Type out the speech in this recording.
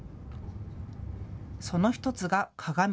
その１つが鏡。